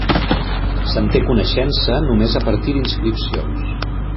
Se'n té coneixença només a partir d'inscripcions.